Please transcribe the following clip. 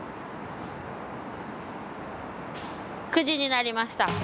９時になりました。